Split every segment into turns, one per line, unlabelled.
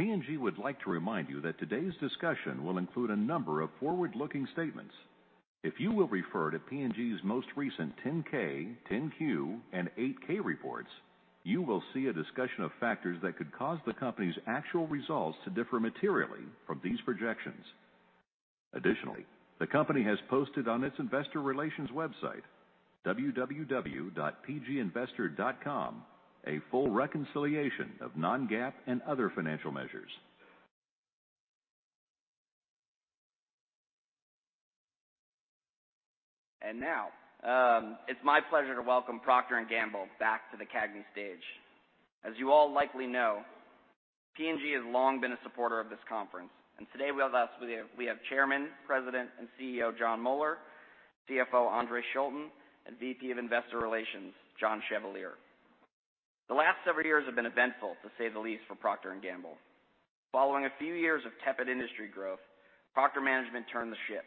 P&G would like to remind you that today's discussion will include a number of forward-looking statements. If you will refer to P&G's most recent 10-K, 10-Q, and 8-K reports, you will see a discussion of factors that could cause the company's actual results to differ materially from these projections. Additionally, the company has posted on its investor relations website, www.pginvestor.com, a full reconciliation of non-GAAP and other financial measures.
Now, it's my pleasure to welcome Procter & Gamble back to the CAGNY stage. As you all likely know, P&G has long been a supporter of this conference. Today with us, we have Chairman, President, and CEO, Jon Moeller, CFO, Andre Schulten, and VP of Investor Relations, John Chevalier. The last several years have been eventful, to say the least, for Procter & Gamble. Following a few years of tepid industry growth, Procter management turned the ship,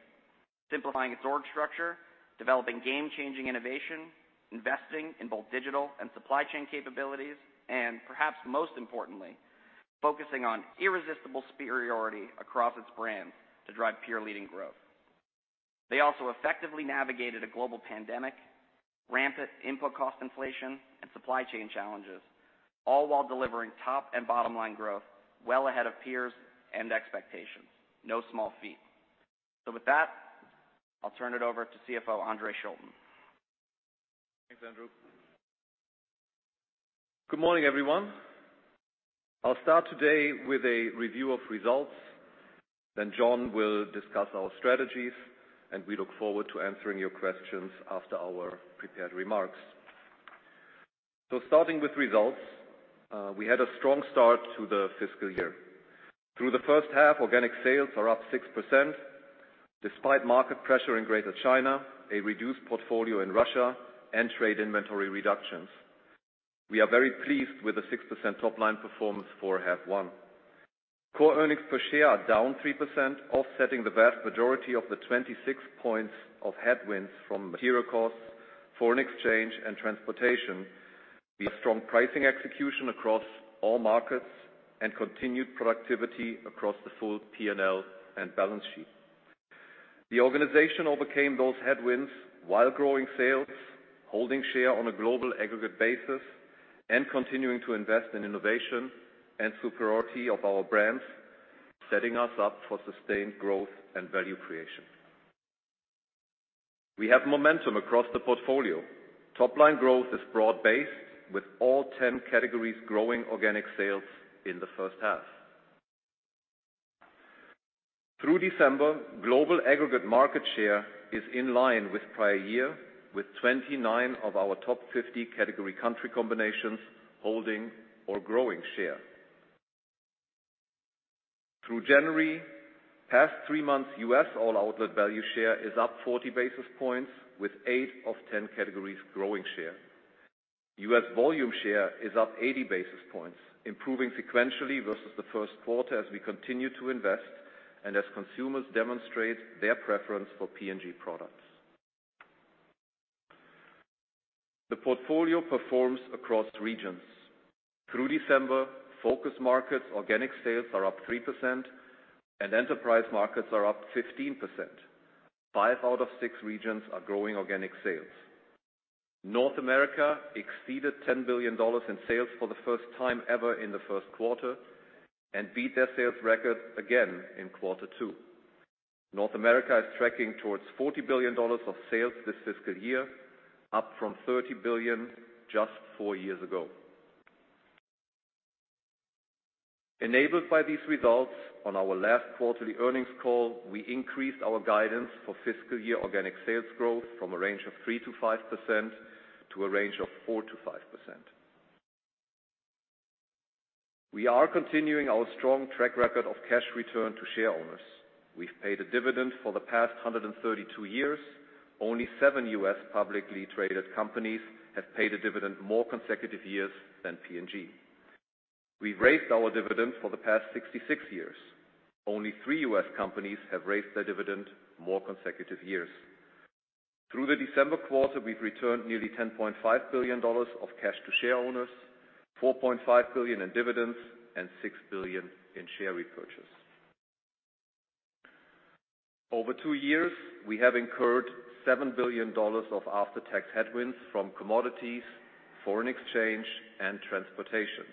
simplifying its org structure, developing game-changing innovation, investing in both digital and supply chain capabilities, and perhaps most importantly, focusing on irresistible superiority across its brands to drive peer-leading growth. They also effectively navigated a global pandemic, rampant input cost inflation, and supply chain challenges, all while delivering top and bottom-line growth well ahead of peers and expectations. No small feat. With that, I'll turn it over to CFO Andre Schulten.
Thanks, Andrew. Good morning, everyone. I'll start today with a review of results, then Jon will discuss our strategies, and we look forward to answering your questions after our prepared remarks. Starting with results, we had a strong start to the fiscal year. Through the H1, organic sales are up 6% despite market pressure in Greater China, a reduced portfolio in Russia, and trade inventory reductions. We are very pleased with the 6% top-line performance for half one. Core earnings per share are down 3%, offsetting the vast majority of the 26 points of headwinds from material costs, foreign exchange, and transportation. We have strong pricing execution across all markets and continued productivity across the full P&L and balance sheet. The organization overcame those headwinds while growing sales, holding share on a global aggregate basis, and continuing to invest in innovation and superiority of our brands, setting us up for sustained growth and value creation. We have momentum across the portfolio. Top-line growth is broad-based with all 10 categories growing organic sales in the H1. Through December, global aggregate market share is in line with prior year, with 29 of our top 50 category country combinations holding or growing share. Through January, past three months, U.S. all outlet value share is up 40 basis points, with 8 categories of 10 categories growing share. U.S. volume share is up 80 basis points, improving sequentially versus the Q1 as we continue to invest and as consumers demonstrate their preference for P&G products. The portfolio performs across regions. Through December, focus markets organic sales are up 3%, and enterprise markets are up 15%. Five out of six regions are growing organic sales. North America exceeded $10 billion in sales for the first time ever in the Q1 and beat their sales record again in quarter two. North America is tracking towards $40 billion of sales this fiscal year, up from $30 billion just four years ago. Enabled by these results, on our last quarterly earnings call, we increased our guidance for fiscal year organic sales growth from a range of 3%-5% to a range of 4%-5%. We are continuing our strong track record of cash return to shareowners. We've paid a dividend for the past 132 years. Only seven U.S. publicly traded companies have paid a dividend more consecutive years than P&G. We've raised our dividend for the past 66 years. Only three U.S. companies have raised their dividend more consecutive years. Through the December quarter, we've returned nearly $10.5 billion of cash to shareowners, $4.5 billion in dividends, and $6 billion in share repurchases. Over two years, we have incurred $7 billion of after-tax headwinds from commodities, foreign exchange, and transportation.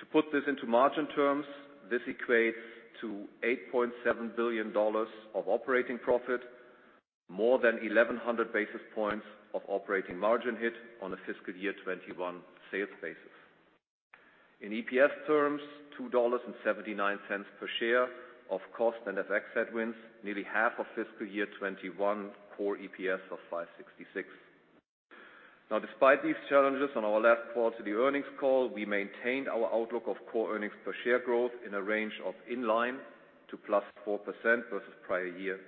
To put this into margin terms, this equates to $8.7 billion of operating profit, more than 1,100 basis points of operating margin hit on a fiscal year 2021 sales basis. In EPS terms, $2.79 per share of cost and FX headwinds, nearly half of fiscal year 2021 core EPS of $5.66. Despite these challenges, on our last call to the earnings call, we maintained our outlook of core earnings per share growth in a range of in line to +4% versus prior year.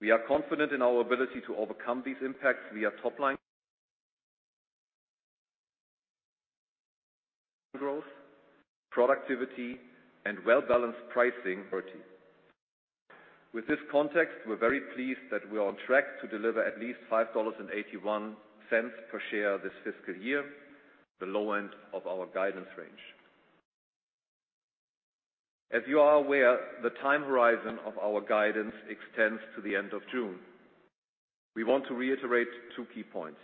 We are confident in our ability to overcome these impacts via top line growth, productivity, and well-balanced pricing authority. With this context, we're very pleased that we are on track to deliver at least $5.81 per share this fiscal year, the low end of our guidance range. As you are aware, the time horizon of our guidance extends to the end of June. We want to reiterate two key points.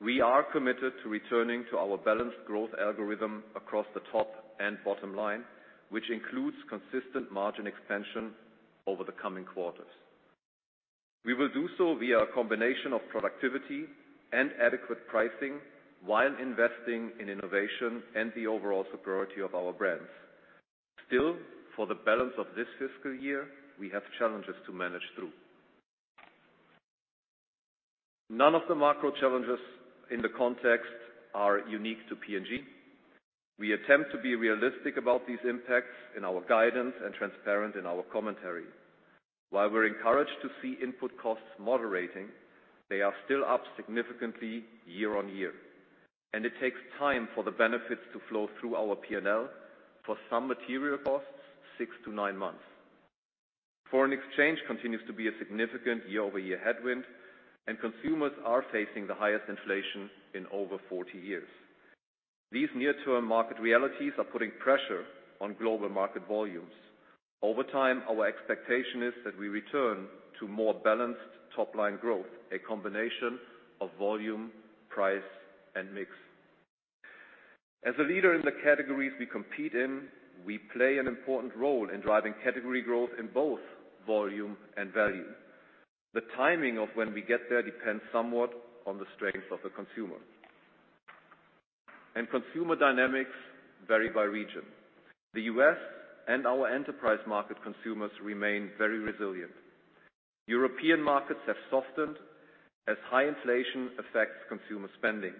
We are committed to returning to our balanced growth algorithm across the top and bottom line, which includes consistent margin expansion over the coming quarters. We will do so via a combination of productivity and adequate pricing while investing in innovation and the overall superiority of our brands. For the balance of this fiscal year, we have challenges to manage through. None of the macro challenges in the context are unique to P&G. We attempt to be realistic about these impacts in our guidance and transparent in our commentary. While we're encouraged to see input costs moderating, they are still up significantly year-over-year, and it takes time for the benefits to flow through our P&L for some material costs, 6 months-9 months. Foreign exchange continues to be a significant year-over-year headwind, and consumers are facing the highest inflation in over 40 years. These near-term market realities are putting pressure on global market volumes. Over time, our expectation is that we return to more balanced top-line growth, a combination of volume, price, and mix. As a leader in the categories we compete in, we play an important role in driving category growth in both volume and value. The timing of when we get there depends somewhat on the strength of the consumer. Consumer dynamics vary by region. The U.S. and our enterprise market consumers remain very resilient. European markets have softened as high inflation affects consumer spending.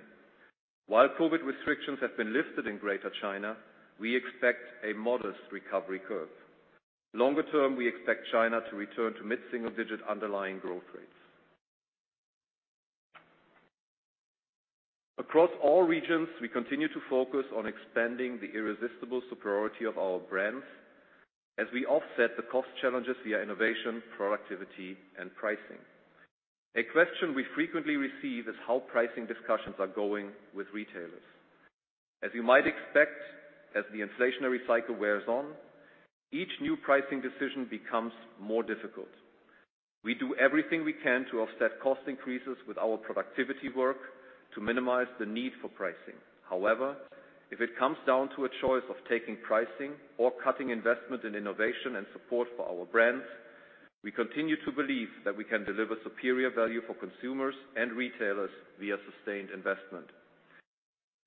While COVID restrictions have been lifted in Greater China, we expect a modest recovery curve. Longer term, we expect China to return to mid-single digit underlying growth rates. Across all regions, we continue to focus on expanding the irresistible superiority of our brands as we offset the cost challenges via innovation, productivity, and pricing. A question we frequently receive is how pricing discussions are going with retailers. As you might expect, as the inflationary cycle wears on, each new pricing decision becomes more difficult. We do everything we can to offset cost increases with our productivity work to minimize the need for pricing. However, if it comes down to a choice of taking pricing or cutting investment in innovation and support for our brands, we continue to believe that we can deliver superior value for consumers and retailers via sustained investment.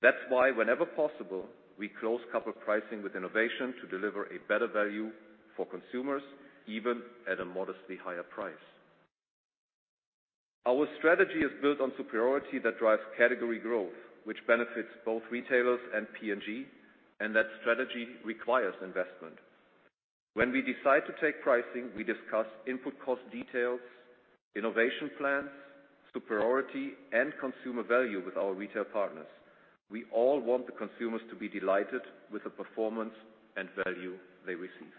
That's why whenever possible, we close couple pricing with innovation to deliver a better value for consumers, even at a modestly higher price. Our strategy is built on superiority that drives category growth, which benefits both retailers and P&G, and that strategy requires investment. When we decide to take pricing, we discuss input cost details, innovation plans, superiority, and consumer value with our retail partners. We all want the consumers to be delighted with the performance and value they receive.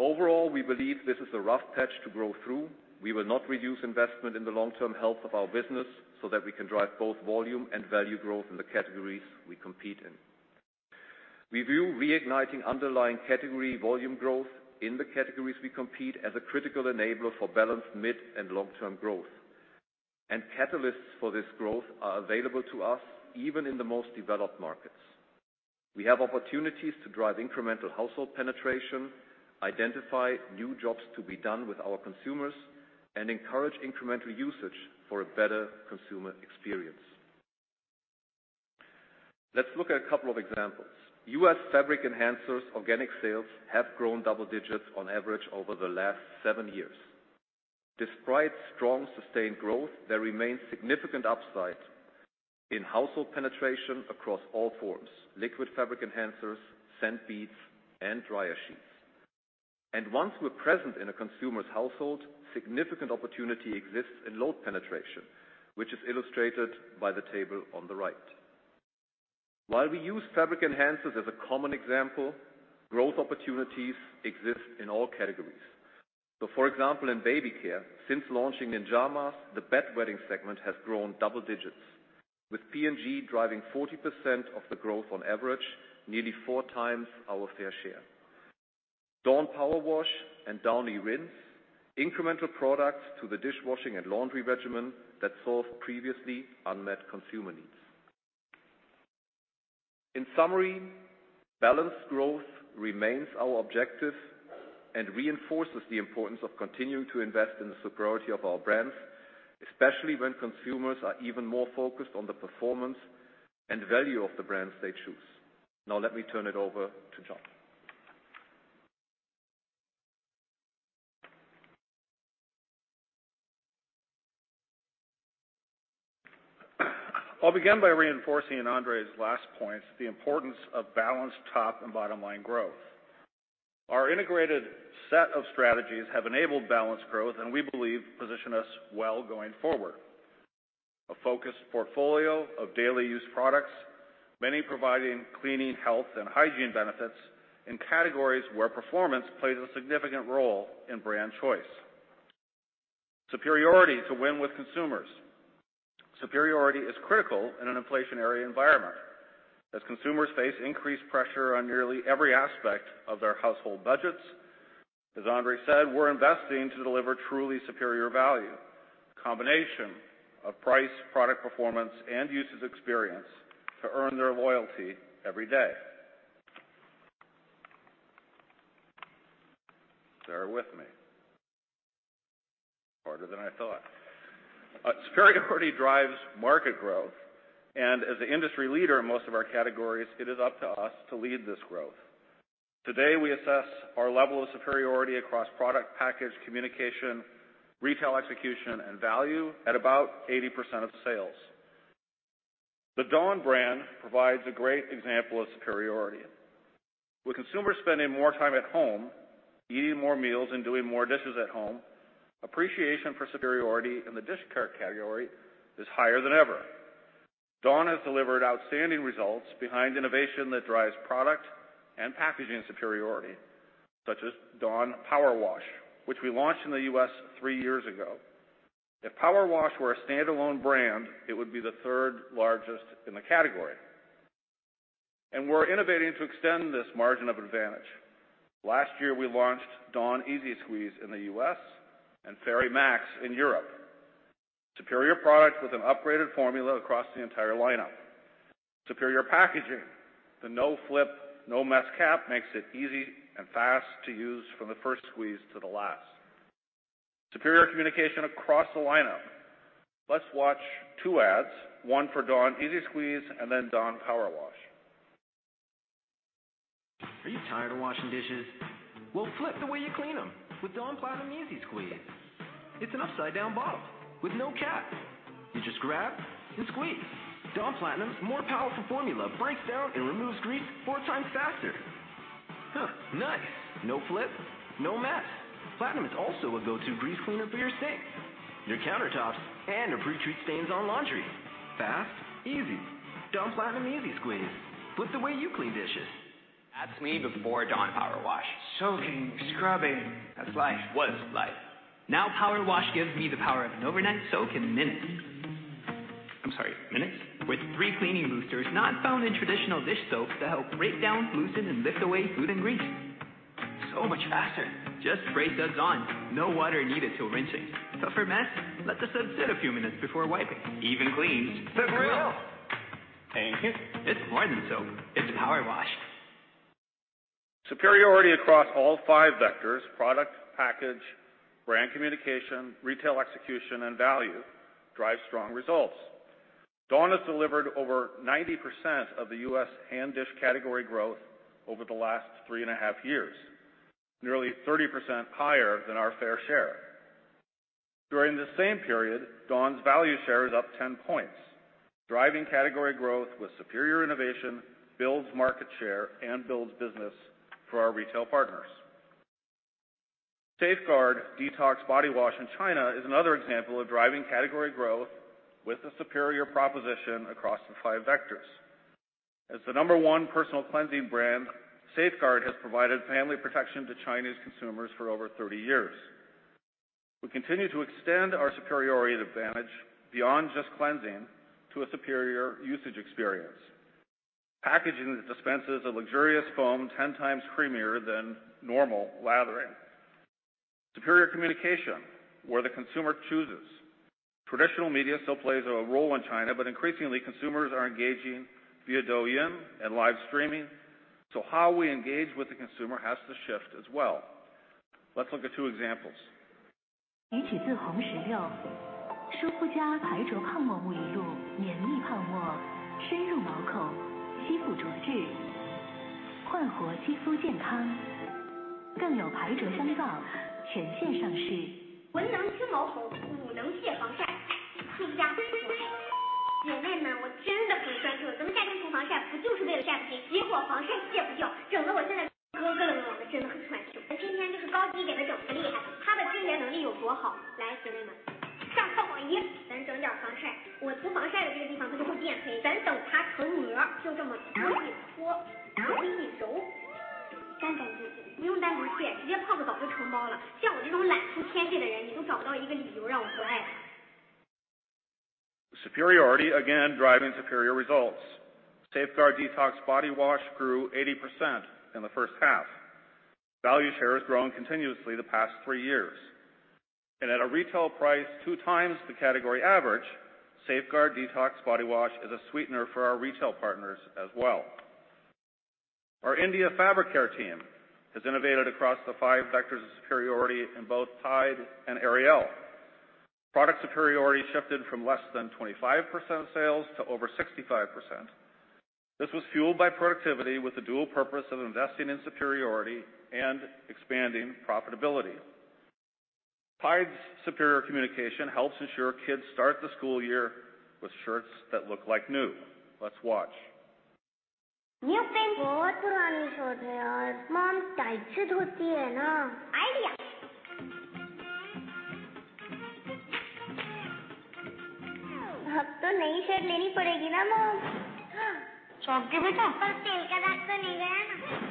Overall, we believe this is a rough patch to grow through. We will not reduce investment in the long-term health of our business so that we can drive both volume and value growth in the categories we compete in. We view reigniting underlying category volume growth in the categories we compete as a critical enabler for balanced mid and long-term growth. Catalysts for this growth are available to us even in the most developed markets. We have opportunities to drive incremental household penetration, identify new jobs to be done with our consumers, and encourage incremental usage for a better consumer experience. Let's look at a couple of examples. U.S. fabric enhancers organic sales have grown double digits on average over the last seven years. Despite strong sustained growth, there remains significant upside in household penetration across all forms: liquid fabric enhancers, scent beads, and dryer sheets. Once we're present in a consumer's household, significant opportunity exists in load penetration, which is illustrated by the table on the right. While we use fabric enhancers as a common example, growth opportunities exist in all categories. For example, in baby care, since launching Ninjamas, the bedwetting segment has grown double digits, with P&G driving 40% of the growth on average, nearly four times our fair share. Dawn Powerwash and Downy Rinse, incremental products to the dishwashing and laundry regimen that solve previously unmet consumer needs. In summary, balanced growth remains our objective and reinforces the importance of continuing to invest in the superiority of our brands, especially when consumers are even more focused on the performance and value of the brands they choose. Now let me turn it over to Jon.
I'll begin by reinforcing in Andre's last points the importance of balanced top and bottom line growth. Our integrated set of strategies have enabled balanced growth, and we believe position us well going forward. A focused portfolio of daily use products, many providing cleaning, health, and hygiene benefits in categories where performance plays a significant role in brand choice. Superiority to win with consumers. Superiority is critical in an inflationary environment as consumers face increased pressure on nearly every aspect of their household budgets. As Andre said, we're investing to deliver truly superior value, combination of price, product performance, and user's experience to earn their loyalty every day. Bear with me. Harder than I thought. Superiority drives market growth. As the industry leader in most of our categories, it is up to us to lead this growth. Today, we assess our level of superiority across product, package, communication, retail execution, and value at about 80% of sales. The Dawn brand provides a great example of superiority. With consumers spending more time at home, eating more meals, and doing more dishes at home, appreciation for superiority in the dish category is higher than ever. Dawn has delivered outstanding results behind innovation that drives product and packaging superiority, such as Dawn Powerwash, which we launched in the US three years ago. If Powerwash were a standalone brand, it would be the third largest in the category. We're innovating to extend this margin of advantage. Last year, we launched Dawn EZ-Squeeze in the U.S., and Fairy Max Power in Europe. Superior product with an upgraded formula across the entire lineup. Superior packaging. The no flip, no mess cap makes it easy and fast to use from the first squeeze to the last. Superior communication across the lineup. Let's watch two ads, one for Dawn EZ-Squeeze, and then Dawn Powerwash.
Are you tired of washing dishes? Flip the way you clean them with Dawn Platinum EZ-Squeeze. It's an upside down bottle with no cap. You just grab and squeeze. Dawn Platinum's more powerful formula breaks down and removes grease four times faster. Huh? Nice. No flip, no mess. Platinum is also a go-to grease cleaner for your sink, your countertops, and to pre-treat stains on laundry. Fast, easy. Dawn Platinum EZ-Squeeze, flip the way you clean dishes. That's me before Dawn Power Wash. Soaking, scrubbing, that's life. Was life. Power Wash gives me the power of an overnight soak in minutes. I'm sorry, minutes? With three cleaning boosters not found in traditional dish soap to help break down, loosen, and lift away food and grease. Much faster. Just spray suds on. No water needed till rinsing. Tougher mess? Let the suds sit a few minutes before wiping. Even cleans the grill. Thank you. It's more than soap. It's Power Wash.
Superiority across all five vectors: product, package, brand communication, retail execution, and value, drive strong results. Dawn has delivered over 90% of the US hand dish category growth over the last 3.5 years. Nearly 30% higher than our fair share. During the same period, Dawn's value share is up 10 points. Driving category growth with superior innovation builds market share and builds business for our retail partners. Safeguard Detox Body Wash in China is another example of driving category growth with a superior proposition across the five vectors. As the number one personal cleansing brand, Safeguard has provided family protection to Chinese consumers for over 30 years. We continue to extend our superiority advantage beyond just cleansing to a superior usage experience. Packaging that dispenses a luxurious foam 10 times creamier than normal lathering. Superior communication where the consumer chooses. Traditional media still plays a role in China, but increasingly, consumers are engaging via Douyin and live streaming, so how we engage with the consumer has to shift as well. Let's look at two examples. Superiority again driving superior results. Safeguard Detox Body Wash grew 80% in the H1. Value share has grown continuously the past three years, and at a retail price two times the category average, Safeguard Detox Body Wash is a sweetener for our retail partners as well. Our India Fabric Care team has innovated across the five vectors of superiority in both Tide and Ariel. Product superiority shifted from less than 25% of sales to over 65%. This was fueled by productivity with the dual purpose of investing in superiority and expanding profitability. Tide's superior communication helps ensure kids start the school year with shirts that look like new. Let's watch.
New paint. Bahut purani shirt hai yaar. Mom tight se dhoti hai na. Idea. Ab toh nayi shirt leni padegi na Mom? Chauk gaya beta. Par tel ka daag toh nahi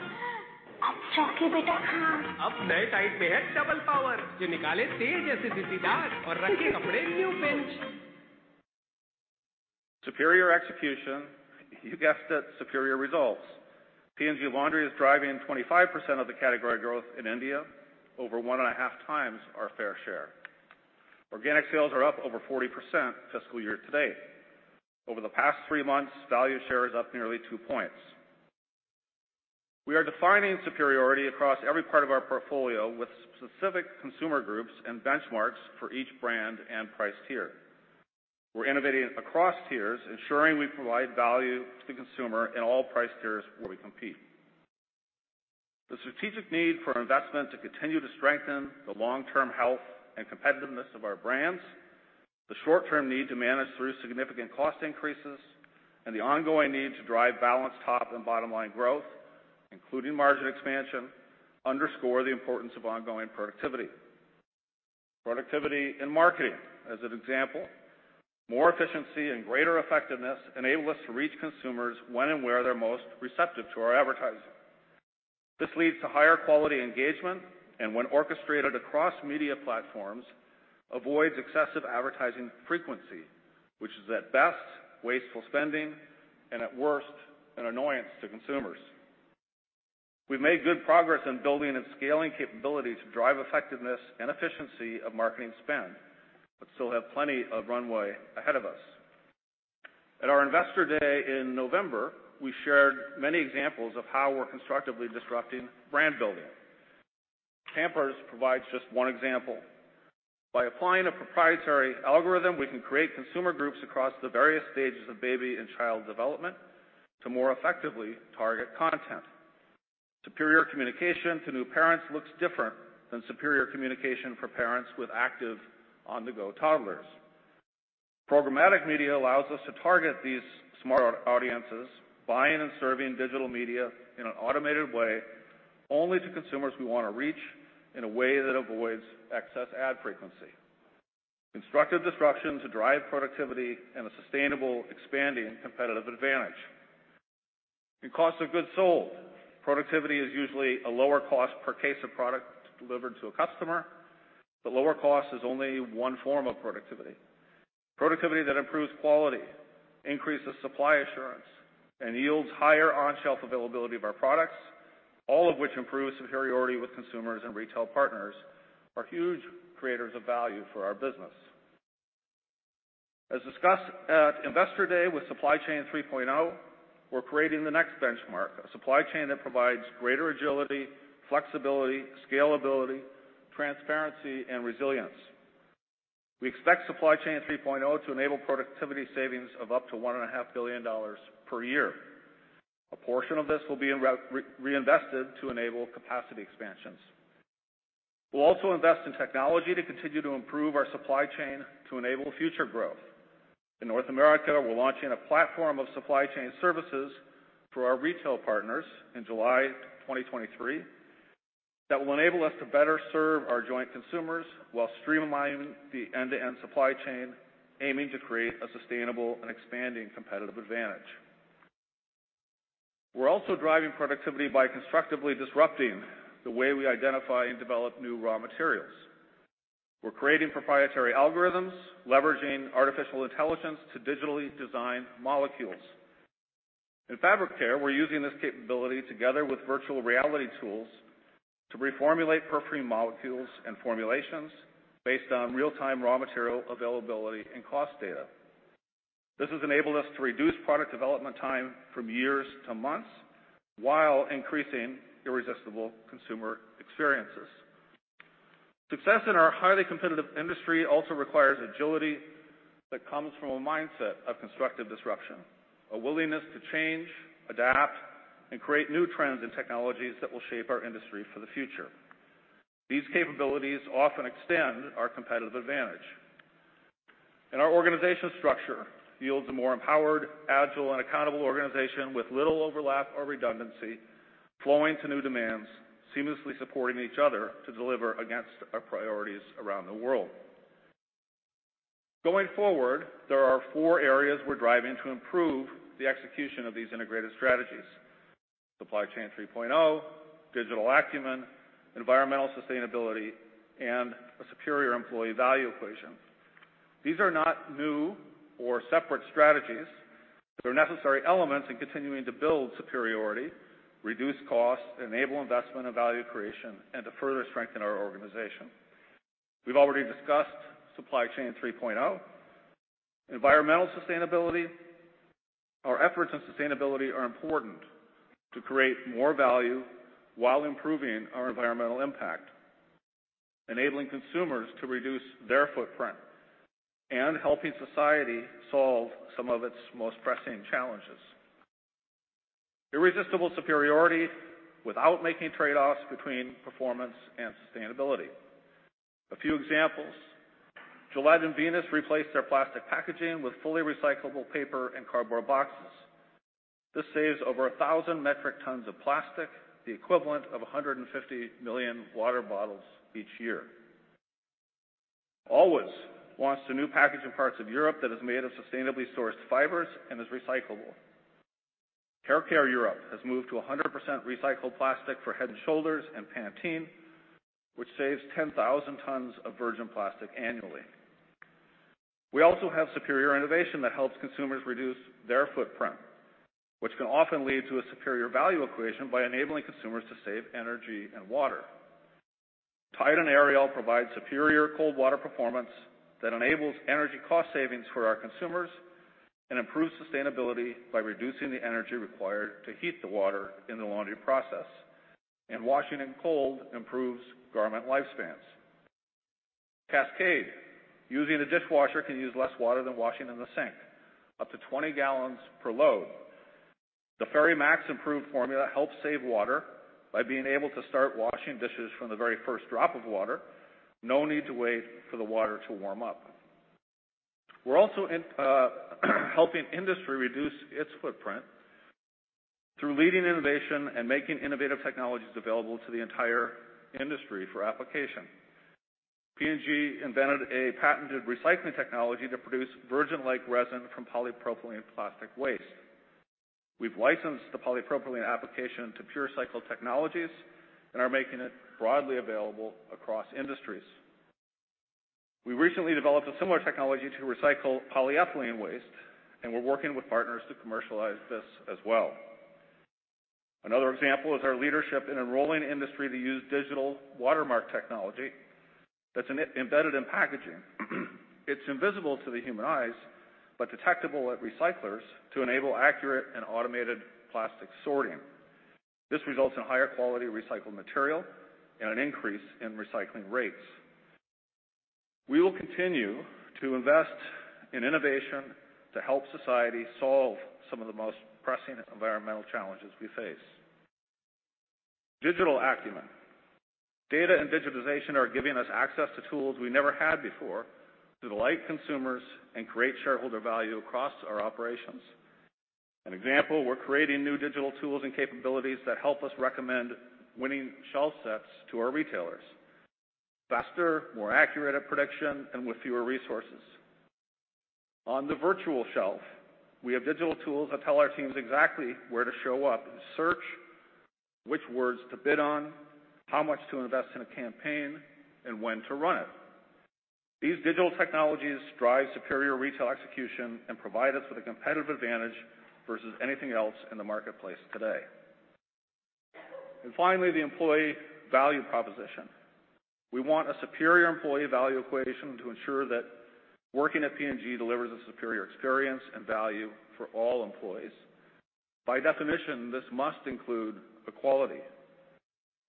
gaya na? Ab chauk gaya beta. Haan. Ab naye Tide mein hai double power, jo nikale tezz aise ziddi daag aur rakhe kapde new pinch.
Superior execution, you guessed it, superior results. P&G Laundry is driving 25% of the category growth in India, over 1.5x our fair share. Organic sales are up over 40% fiscal year to date. Over the past three months, value share is up nearly two points. We are defining superiority across every part of our portfolio with specific consumer groups and benchmarks for each brand and price tier. We're innovating across tiers, ensuring we provide value to the consumer in all price tiers where we compete. The strategic need for investment to continue to strengthen the long-term health and competitiveness of our brands, the short-term need to manage through significant cost increases, and the ongoing need to drive balanced top and bottom-line growth, including margin expansion, underscore the importance of ongoing productivity. Productivity in marketing, as an example, more efficiency and greater effectiveness enable us to reach consumers when and where they're most receptive to our advertising. This leads to higher quality engagement, and when orchestrated across media platforms, avoids excessive advertising frequency, which is at best wasteful spending and at worst an annoyance to consumers. We've made good progress in building and scaling capabilities to drive effectiveness and efficiency of marketing spend, but still have plenty of runway ahead of us. At our Investor Day in November, we shared many examples of how we're constructively disrupting brand building. Pampers provides just one example. By applying a proprietary algorithm, we can create consumer groups across the various stages of baby and child development to more effectively target content. Superior communication to new parents looks different than superior communication for parents with active on-the-go toddlers. Programmatic media allows us to target these smart audiences, buying and serving digital media in an automated way only to consumers we want to reach in a way that avoids excess ad frequency. Constructive disruption to drive productivity and a sustainable, expanding competitive advantage. In cost of goods sold, productivity is usually a lower cost per case of product delivered to a customer, but lower cost is only one form of productivity. Productivity that improves quality, increases supply assurance, and yields higher on-shelf availability of our products, all of which improve superiority with consumers and retail partners, are huge creators of value for our business. As discussed at Investor Day with Supply Chain 3.0, we're creating the next benchmark, a supply chain that provides greater agility, flexibility, scalability, transparency, and resilience. We expect Supply Chain 3.0 to enable productivity savings of up to one and a half billion dollars per year. A portion of this will be reinvested to enable capacity expansions. We'll also invest in technology to continue to improve our supply chain to enable future growth. In North America, we're launching a platform of supply chain services for our retail partners in July 2023 that will enable us to better serve our joint consumers while streamlining the end-to-end supply chain, aiming to create a sustainable and expanding competitive advantage. We're also driving productivity by constructively disrupting the way we identify and develop new raw materials. We're creating proprietary algorithms, leveraging artificial intelligence to digitally design molecules. In fabric care, we're using this capability together with virtual reality tools to reformulate perfuming molecules and formulations based on real-time raw material availability and cost data. This has enabled us to reduce product development time from years to months while increasing irresistible consumer experiences. Success in our highly competitive industry also requires agility that comes from a mindset of constructive disruption, a willingness to change, adapt, and create new trends and technologies that will shape our industry for the future. These capabilities often extend our competitive advantage. Our organization structure yields a more empowered, agile, and accountable organization with little overlap or redundancy, flowing to new demands, seamlessly supporting each other to deliver against our priorities around the world. Going forward, there are 4 areas we're driving to improve the execution of these integrated strategies: Supply Chain 3.0, digital acumen, environmental sustainability, and a superior employee value equation. These are not new or separate strategies. They're necessary elements in continuing to build superiority, reduce costs, enable investment and value creation, and to further strengthen our organization. We've already discussed Supply Chain 3.0. Environmental sustainability. Our efforts in sustainability are important to create more value while improving our environmental impact, enabling consumers to reduce their footprint and helping society solve some of its most pressing challenges. Irresistible superiority without making trade-offs between performance and sustainability. A few examples. Gillette and Venus replaced their plastic packaging with fully recyclable paper and cardboard boxes. This saves over 1,000 metric tons of plastic, the equivalent of 150 million water bottles each year. Always launched a new package in parts of Europe that is made of sustainably sourced fibers and is recyclable. Hair Care Europe has moved to 100% recycled plastic for Head & Shoulders and Pantene, which saves 10,000 tons of virgin plastic annually. We also have superior innovation that helps consumers reduce their footprint, which can often lead to a superior value equation by enabling consumers to save energy and water. Tide and Ariel provide superior cold water performance that enables energy cost savings for our consumers and improves sustainability by reducing the energy required to heat the water in the laundry process. Washing in cold improves garment lifespans. Cascade, using the dishwasher can use less water than washing in the sink, up to 20 gallons per load. The Fairy Max improved formula helps save water by being able to start washing dishes from the very first drop of water. No need to wait for the water to warm up. We're also in helping industry reduce its footprint through leading innovation and making innovative technologies available to the entire industry for application. P&G invented a patented recycling technology to produce virgin-like resin from polypropylene plastic waste. We've licensed the polypropylene application to PureCycle Technologies and are making it broadly available across industries. We recently developed a similar technology to recycle polyethylene waste, and we're working with partners to commercialize this as well. Another example is our leadership in enrolling industry to use digital watermark technology that's embedded in packaging. It's invisible to the human eyes, but detectable at recyclers to enable accurate and automated plastic sorting. This results in higher quality recycled material and an increase in recycling rates. We will continue to invest in innovation to help society solve some of the most pressing environmental challenges we face. Digital acumen. Data and digitization are giving us access to tools we never had before to delight consumers and create shareholder value across our operations. An example, we're creating new digital tools and capabilities that help us recommend winning shelf sets to our retailers. Faster, more accurate at prediction, and with fewer resources. On the virtual shelf, we have digital tools that tell our teams exactly where to show up in search, which words to bid on, how much to invest in a campaign, and when to run it. These digital technologies drive superior retail execution and provide us with a competitive advantage versus anything else in the marketplace today. Finally, the employee value proposition. We want a superior employee value equation to ensure that working at P&G delivers a superior experience and value for all employees. By definition, this must include equality.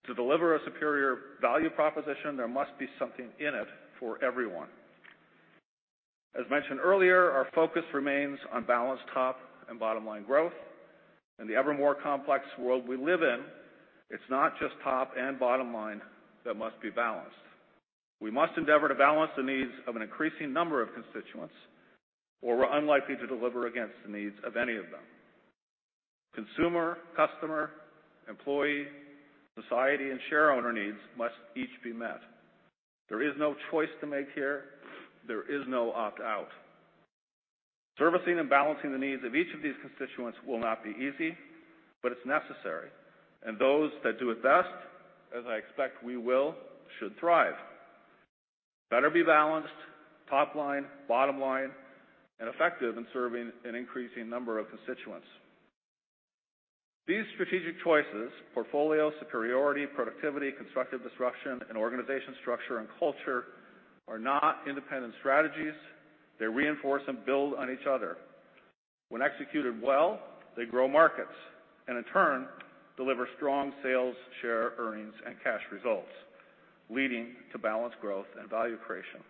To deliver a superior value proposition, there must be something in it for everyone. As mentioned earlier, our focus remains on balanced top and bottom line growth. In the ever more complex world we live in, it's not just top and bottom line that must be balanced. We must endeavor to balance the needs of an increasing number of constituents, or we're unlikely to deliver against the needs of any of them. Consumer, customer, employee, society, and share owner needs must each be met. There is no choice to make here. There is no opt-out. Servicing and balancing the needs of each of these constituents will not be easy, but it's necessary. Those that do it best, as I expect we will, should thrive. Better be balanced, top line, bottom line, and effective in serving an increasing number of constituents. These strategic choices, portfolio, superiority, productivity, constructive disruption, and organization structure and culture are not independent strategies. They reinforce and build on each other. When executed well, they grow markets and in turn deliver strong sales, share, earnings, and cash results, leading to balanced growth and value creation.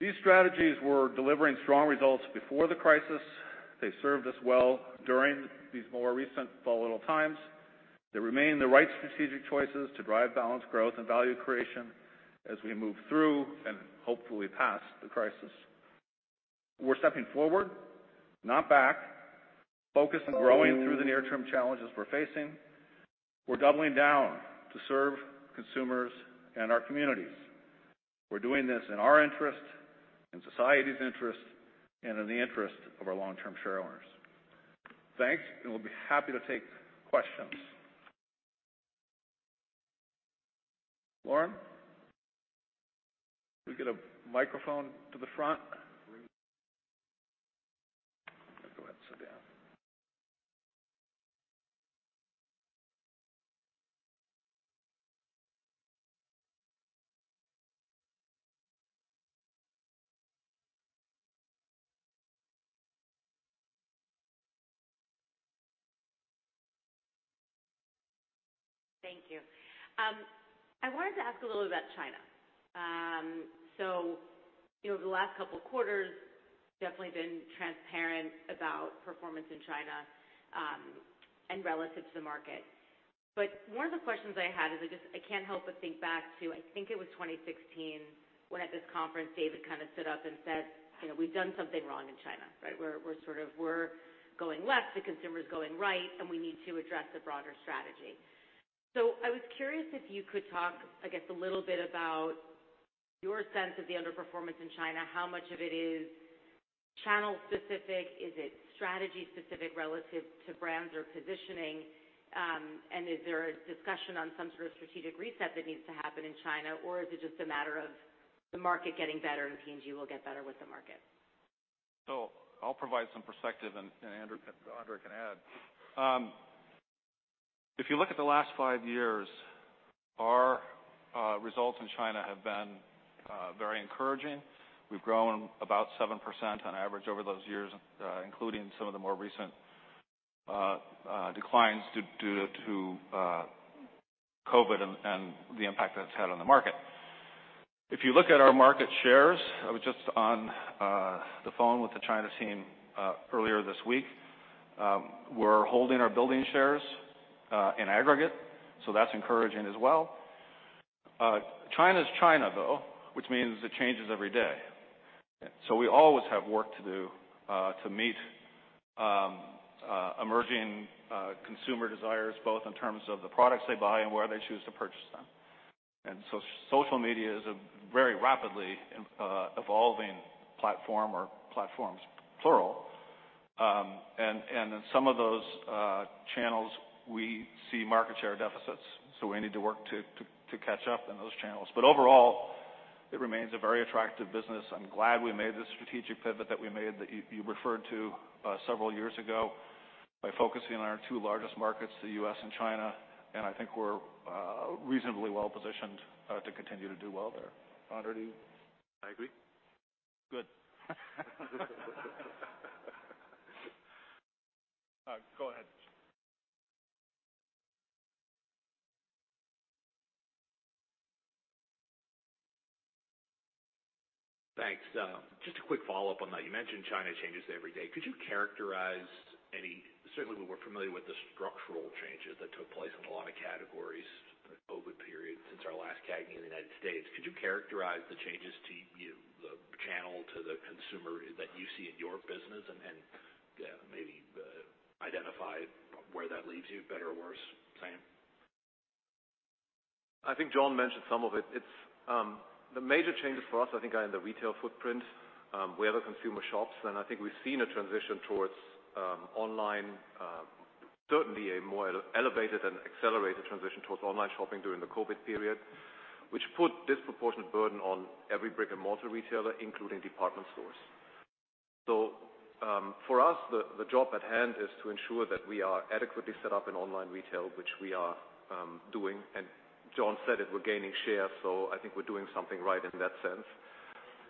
These strategies were delivering strong results before the crisis. They served us well during these more recent volatile times. They remain the right strategic choices to drive balanced growth and value creation as we move through and hopefully past the crisis. We're stepping forward, not back, focused on growing through the near-term challenges we're facing. We're doubling down to serve consumers and our communities. We're doing this in our interest, in society's interest, and in the interest of our long-term shareowners. Thanks, and we'll be happy to take questions. Lauren, can we get a microphone to the front? I'll go ahead and sit down.
Thank you. I wanted to ask a little about China. You know, the last couple quarters definitely been transparent about performance in China, and relative to the market. One of the questions I had is I can't help but think back to, I think it was 2016, when at this conference, David kind of stood up and said, you know, "We've done something wrong in China," right? We're sort of we're going left, the consumer's going right, and we need to address the broader strategy. I was curious if you could talk, I guess, a little bit about your sense of the underperformance in China, how much of it is channel specific, is it strategy specific relative to brands or positioning? Is there a discussion on some sort of strategic reset that needs to happen in China? Is it just a matter of the market getting better and P&G will get better with the market?
I'll provide some perspective and Andre can add. If you look at the last five years, our results in China have been very encouraging. We've grown about 7% on average over those years, including some of the more recent declines due to COVID and the impact that it's had on the market. If you look at our market shares, I was just on the phone with the China team earlier this week. We're holding our building shares in aggregate, so that's encouraging as well. China's China, though, which means it changes every day. We always have work to do to meet emerging consumer desires, both in terms of the products they buy and where they choose to purchase them. Social media is a very rapidly evolving platform or platforms, plural. And in some of those channels, we see market share deficits, so we need to work to catch up in those channels. Overall, it remains a very attractive business. I'm glad we made the strategic pivot that we made, that you referred to several years ago, by focusing on our two largest markets, the U.S. and China, and I think we're reasonably well-positioned to continue to do well there. Andre Schulten, do you?
I agree.
Good. Go ahead.
Thanks. Just a quick follow-up on that. You mentioned China changes every day. Could you characterize any, certainly we're familiar with the structural changes that took place in a lot of categories in the COVID period since our last CAGNY in the U.S., could you characterize the changes to the channel, to the consumer that you see in your business, and, yeah, maybe identify where that leaves you, better or worse, same?
I think Jon mentioned some of it. It's, the major changes for us I think are in the retail footprint, where the consumer shops, and I think we've seen a transition towards online, certainly a more elevated and accelerated transition towards online shopping during the COVID period, which put disproportionate burden on every brick-and-mortar retailer, including department stores. For us, the job at hand is to ensure that we are adequately set up in online retail, which we are doing. Jon said it, we're gaining share, I think we're doing something right in that sense.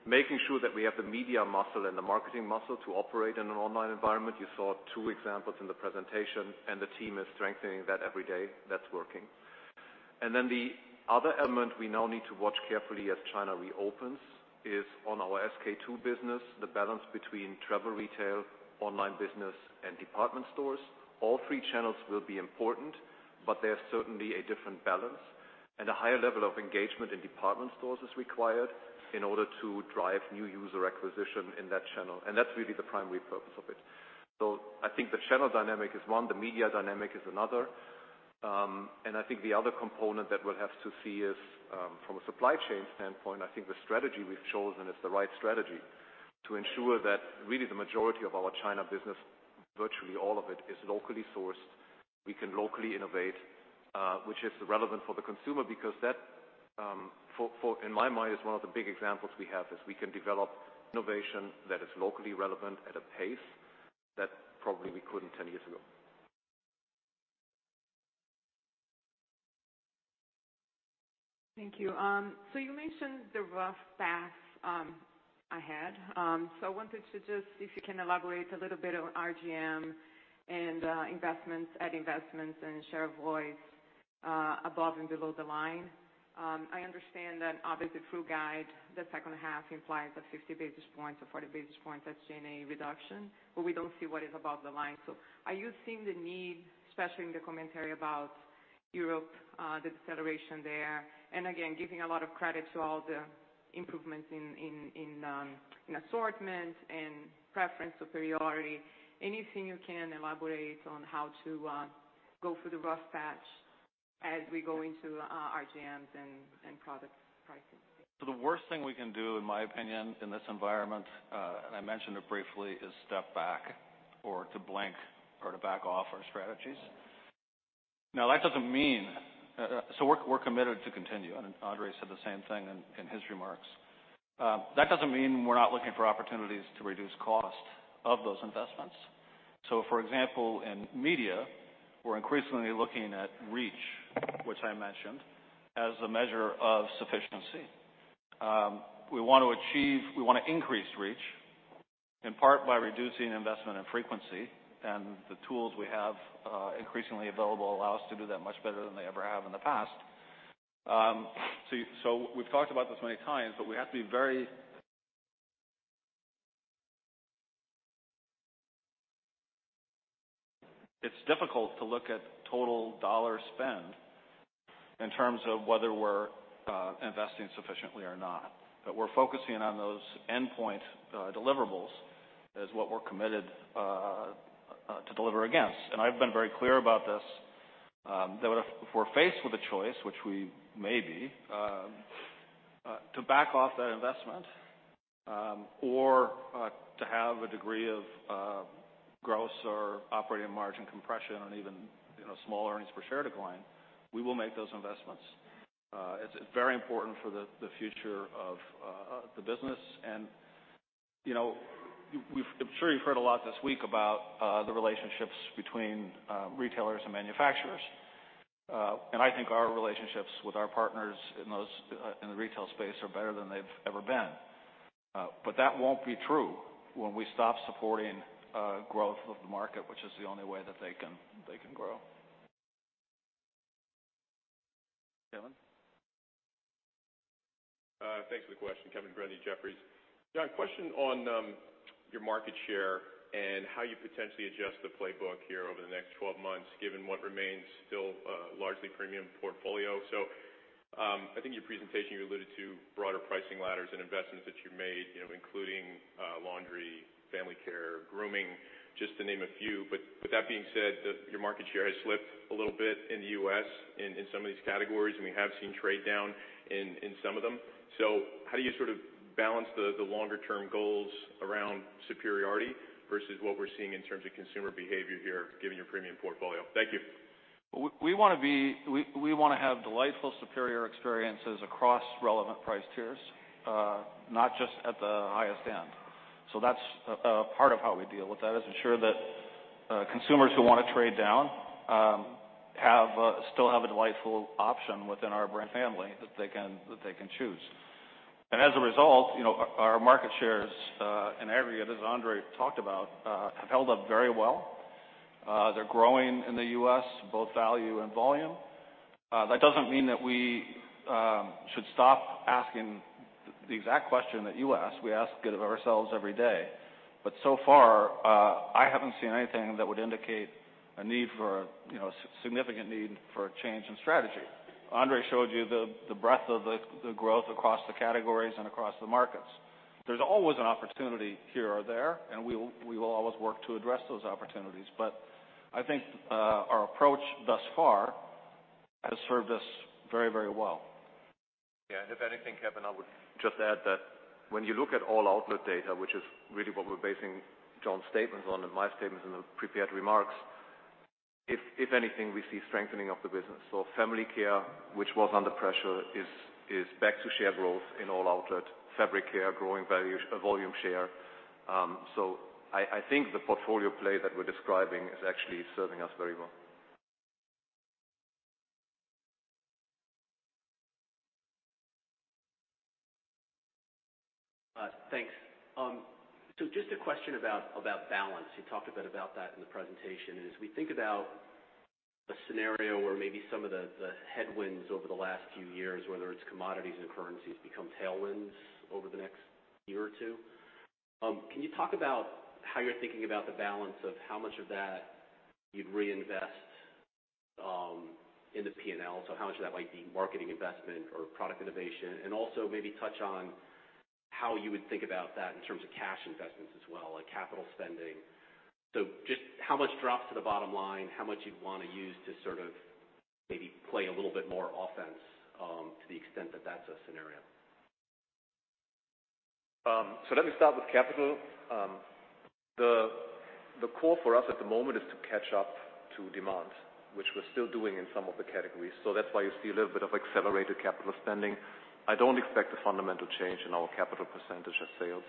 Making sure that we have the media muscle and the marketing muscle to operate in an online environment. You saw two examples in the presentation, the team is strengthening that every day. That's working. Then the other element we now need to watch carefully as China reopens is on our SK-II business, the balance between travel retail, online business, and department stores. All three channels will be important, but they are certainly a different balance. A higher level of engagement in department stores is required in order to drive new user acquisition in that channel, and that's really the primary purpose of it. I think the channel dynamic is one, the media dynamic is another. I think the other component that we'll have to see is from a supply chain standpoint, I think the strategy we've chosen is the right strategy to ensure that really the majority of our China business, virtually all of it, is locally sourced. We can locally innovate, which is relevant for the consumer because that, in my mind is one of the big examples we have, is we can develop innovation that is locally relevant at a pace that probably we couldn't 10 years ago.
Thank you. You mentioned the rough path ahead. I wanted to just if you can elaborate a little bit on RGM and investments, ad investments and share of voice above and below the line. I understand that obviously through guide, the H2 implies a 50 basis points or 40 basis points of G&A reduction, but we don't see what is above the line. Are you seeing the need, especially in the commentary about Europe, the deceleration there, and again, giving a lot of credit to all the improvements in assortment, in preference superiority, anything you can elaborate on how to go through the rough patch as we go into RGMs and product pricing?
The worst thing we can do, in my opinion, in this environment, and I mentioned it briefly, is step back or to blink or to back off our strategies. That doesn't mean we're committed to continue, and Andre said the same thing in his remarks. That doesn't mean we're not looking for opportunities to reduce cost of those investments. For example, in media, we're increasingly looking at reach, which I mentioned, as a measure of sufficiency. We wanna increase reach in part by reducing investment and frequency, and the tools we have, increasingly available allow us to do that much better than they ever have in the past. We've talked about this many times, but we have to be very... It's difficult to look at total dollar spend in terms of whether we're investing sufficiently or not. We're focusing on those endpoint deliverables, is what we're committed to deliver against. I've been very clear about this, that if we're faced with a choice, which we may be, to back off that investment, or to have a degree of gross or operating margin compression and even, you know, small earnings per share decline, we will make those investments. It's very important for the future of the business. You know, I'm sure you've heard a lot this week about the relationships between retailers and manufacturers. I think our relationships with our partners in those in the retail space are better than they've ever been. That won't be true when we stop supporting growth of the market, which is the only way that they can grow. Kevin?
Thanks for the question. Kevin Grundy, Jefferies. John, question on your market share and how you potentially adjust the playbook here over the next 12 months, given what remains still largely premium portfolio. I think in your presentation you alluded to broader pricing ladders and investments that you made, you know, including laundry, family care, grooming, just to name a few. But that being said, your market share has slipped a little bit in the US in some of these categories, and we have seen trade-down in some of them. How do you sort of balance the longer term goals around superiority versus what we're seeing in terms of consumer behavior here, given your premium portfolio? Thank you.
We wanna have delightful, superior experiences across relevant price tiers, not just at the highest end. That's part of how we deal with that, is ensure that consumers who wanna trade down, still have a delightful option within our brand family that they can choose. As a result, you know, our market shares, in aggregate, as Andre talked about, have held up very well. They're growing in the U.S., both value and volume. That doesn't mean that we should stop asking the exact question that you asked. We ask it of ourselves every day. So far, I haven't seen anything that would indicate a need for, you know, significant need for a change in strategy. Andre showed you the breadth of the growth across the categories and across the markets. There's always an opportunity here or there, and we will always work to address those opportunities. I think our approach thus far has served us very, very well.
Yeah. If anything, Kevin, I would just add that when you look at all outlet data, which is really what we're basing John's statements on and my statements in the prepared remarks, if anything, we see strengthening of the business. Family care, which was under pressure, is back to shared growth in all outlet. Fabric care, growing volume share. I think the portfolio play that we're describing is actually serving us very well.
Thanks. Just a question about balance. You talked a bit about that in the presentation. As we think about a scenario where maybe some of the headwinds over the last few years, whether it's commodities and currencies, become tailwinds over the next year or two, can you talk about how you're thinking about the balance of how much of that you'd reinvest in the P&L? How much of that might be marketing investment or product innovation? And also maybe touch on how you would think about that in terms of cash investments as well, like capital spending. Just how much drops to the bottom line, how much you'd wanna use to sort of maybe play a little bit more offense to the extent that that's a scenario?
Let me start with capital. The core for us at the moment is to catch up to demand, which we're still doing in some of the categories. That's why you see a little bit of accelerated capital spending. I don't expect a fundamental change in our capital percentage of sales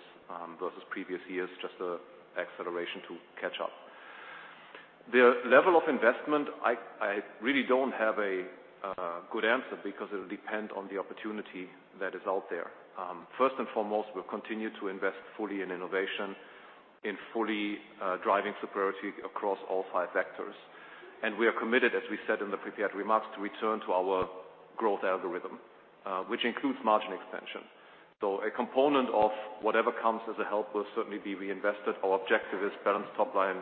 versus previous years, just a acceleration to catch up. The level of investment, I really don't have a good answer because it'll depend on the opportunity that is out there. First and foremost, we'll continue to invest fully in innovation, in fully driving superiority across all five vectors. We are committed, as we said in the prepared remarks, to return to our growth algorithm, which includes margin expansion. A component of whatever comes as a help will certainly be reinvested. Our objective is balanced top line,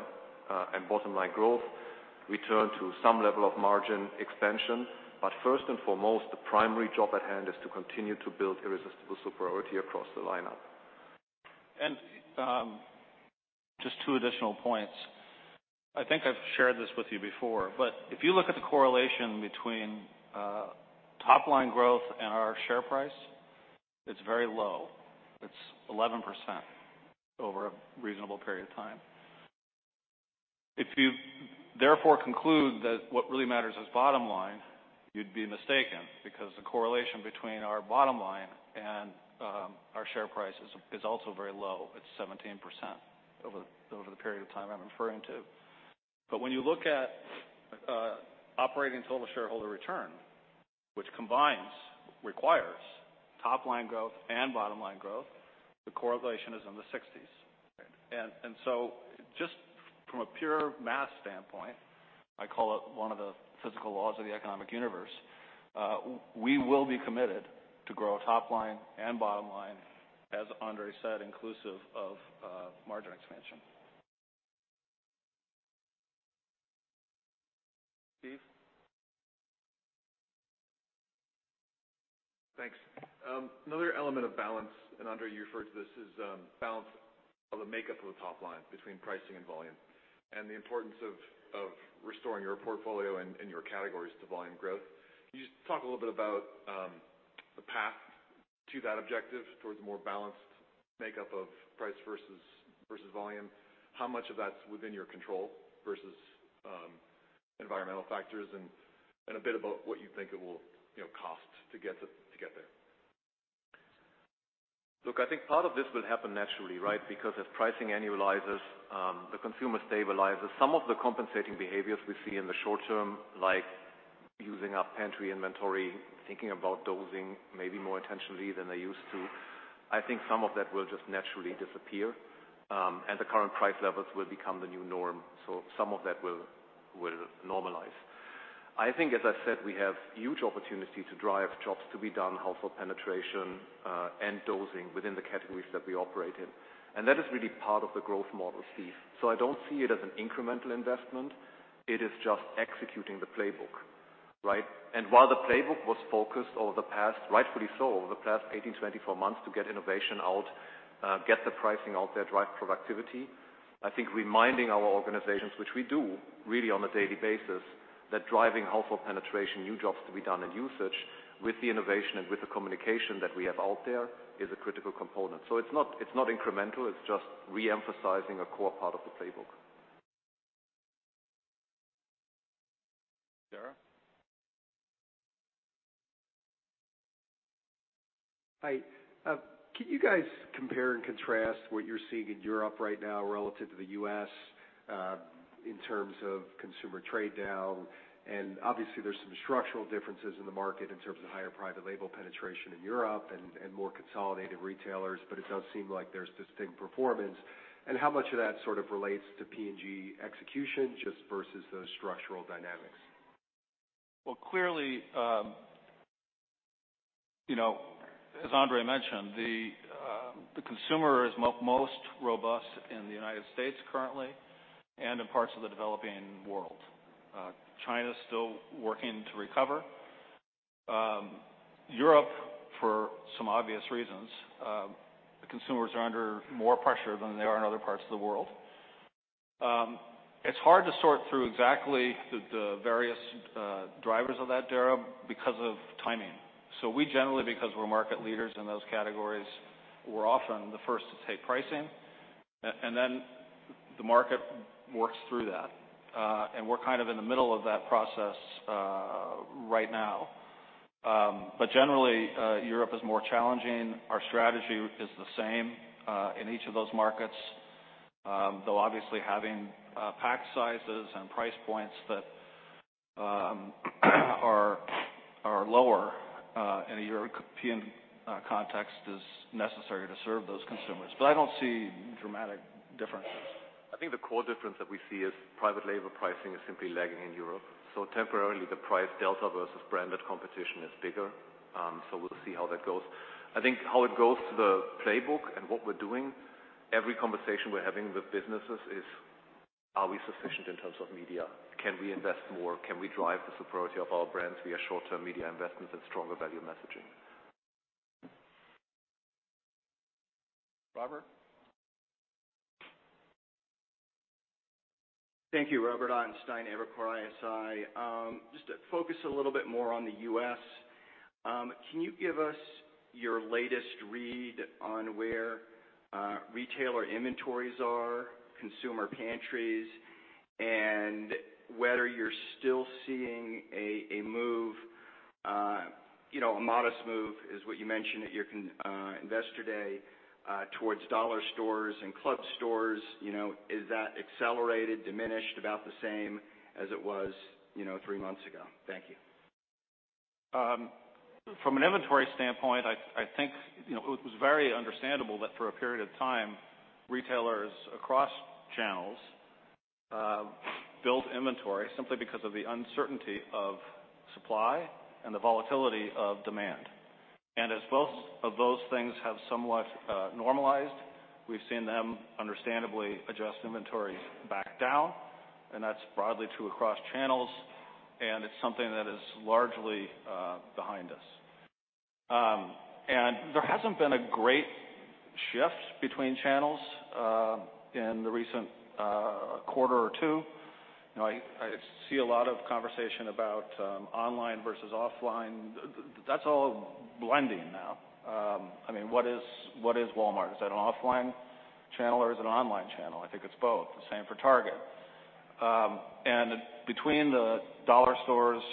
and bottom line growth. Return to some level of margin expansion. First and foremost, the primary job at hand is to continue to build irresistible superiority across the lineup.
Just two additional points. I think I've shared this with you before, but if you look at the correlation between top line growth and our share price, it's very low. It's 11% over a reasonable period of time. If you therefore conclude that what really matters is bottom line, you'd be mistaken, because the correlation between our bottom line and our share price is also very low. It's 17% over the period of time I'm referring to. When you look at operating total shareholder return, which requires top line growth and bottom line growth, the correlation is in the 1960s. Just from a pure math standpoint, I call it one of the physical laws of the economic universe, we will be committed to grow top line and bottom line, as Andre said, inclusive of margin expansion. [inaudible]
Thanks. Another element of balance, and Andre, you referred to this, is balance of the makeup of the top line between pricing and volume, and the importance of restoring your portfolio and your categories to volume growth. Can you just talk a little bit about the path to that objective towards a more balanced makeup of price versus volume? How much of that's within your control versus environmental factors, and a bit about what you think it will, you know, cost to get there?
Look, I think part of this will happen naturally, right? Because as pricing annualizes, the consumer stabilizes. Some of the compensating behaviors we see in the short term, like using up pantry inventory, thinking about dosing maybe more intentionally than they used to, I think some of that will just naturally disappear, and the current price levels will become the new norm. Some of that will normalize. I think, as I said, we have huge opportunity to drive jobs to be done, household penetration, and dosing within the categories that we operate in. That is really part of the growth model, Steve. I don't see it as an incremental investment. It is just executing the playbook, right? While the playbook was focused over the past, rightfully so, over the past 18 months, 24 months to get innovation out, get the pricing out there, drive productivity, I think reminding our organizations, which we do really on a daily basis, that driving household penetration, new jobs to be done, and usage with the innovation and with the communication that we have out there is a critical component. It's not, it's not incremental. It's just re-emphasizing a core part of the playbook.
Dara?
Hi. Can you guys compare and contrast what you're seeing in Europe right now relative to the U.S., in terms of consumer trade down? Obviously, there's some structural differences in the market in terms of higher private label penetration in Europe and more consolidated retailers, but it does seem like there's distinct performance. How much of that sort of relates to P&G execution just versus those structural dynamics?
Well, clearly, you know, as Andre mentioned, the consumer is most robust in the United States currently, and in parts of the developing world. China's still working to recover. Europe, for some obvious reasons, the consumers are under more pressure than they are in other parts of the world. It's hard to sort through exactly the various drivers of that, Dara, because of timing. We generally, because we're market leaders in those categories, we're often the first to take pricing. And the market works through that. We're kind of in the middle of that process right now. Generally, Europe is more challenging. Our strategy is the same in each of those markets. Though obviously having pack sizes and price points that are lower in a European context is necessary to serve those consumers.I don't see dramatic differences.
I think the core difference that we see is private label pricing is simply lagging in Europe. Temporarily, the price delta versus branded competition is bigger. We'll see how that goes. I think how it goes to the playbook and what we're doing, every conversation we're having with businesses is are we sufficient in terms of media? Can we invest more? Can we drive the superiority of our brands via short-term media investments and stronger value messaging?
Robert?
Thank you. Robert Ottenstein, Evercore ISI. Just to focus a little bit more on the U.S., can you give us your latest read on where retailer inventories are, consumer pantries, and whether you're still seeing a move, you know, a modest move is what you mentioned at your Investor Day, towards dollar stores and club stores? You know, is that accelerated, diminished, about the same as it was, you know, three months ago? Thank you.
From an inventory standpoint, I think, you know, it was very understandable that for a period of time, retailers across channels, built inventory simply because of the uncertainty of supply and the volatility of demand. As both of those things have somewhat, normalized, we've seen them understandably adjust inventory back down, and that's broadly true across channels, and it's something that is largely, behind us. There hasn't been a great shift between channels, in the recent, quarter or two. You know, I see a lot of conversation about, online versus offline. That's all blending now. I mean, what is Walmart? Is that an offline channel or is it an online channel? I think it's both. The same for Target. Between the dollar stores,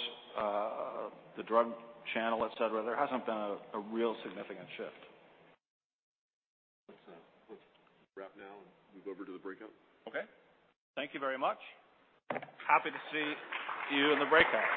the drug channel, et cetera, there hasn't been a real significant shift.
Let's wrap now and move over to the breakout.
Okay. Thank you very much. Happy to see you in the breakout.